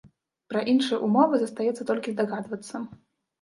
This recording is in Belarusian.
Пра іншыя ўмовы застаецца толькі здагадвацца.